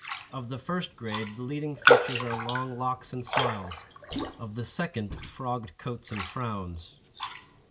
Of the first grade the leading features are long locks and smiles; of the second, frogged coats and frowns.